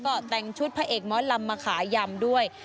ก็แต่งชุดพระเอกหมอนลำมาขายยำด้วย